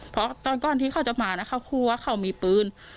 เพราะตอนก่อนที่เขาจะมานะเขาคู่ว่าเขามีปืน